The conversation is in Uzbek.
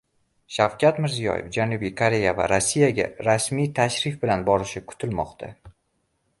Shavkat Mirziyoyev Janubiy Koreya va Rossiyaga rasmiy tashrif bilan borishi kutilmoqda